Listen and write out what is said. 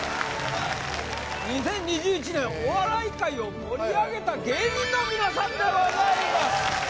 ２０２１年お笑い界を盛り上げた芸人の皆さんでございます